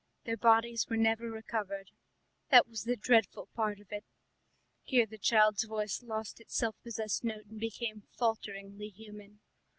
Their bodies were never recovered. That was the dreadful part of it." Here the child's voice lost its self possessed note and became falteringly human.